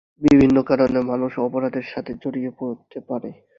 বিভিন্ন কারণে মানুষ অপরাধের সাথে জড়িয়ে পড়তে পারে।